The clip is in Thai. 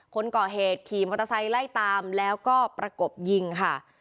คนก่อเหตุขี่มอเตอร์ไซค์ไล่ตามแล้วก็ประกบยิงค่ะ